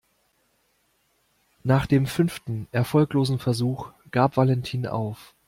Nach dem fünften erfolglosen Versuch gab Valentin auf.